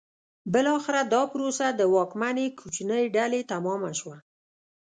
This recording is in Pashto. بالاخره دا پروسه د واکمنې کوچنۍ ډلې تمامه شوه.